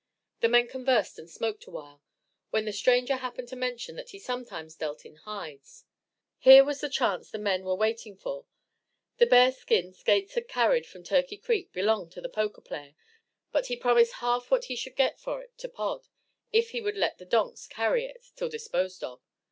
The men conversed and smoked awhile, when the stranger happened to mention that he sometimes dealt in hides. Here was the chance the men were waiting for. The bearskin Skates had carried from Turkey Creek belonged to the poker player, but he promised half what he should get for it to Pod, if he would let the donks carry it till disposed of.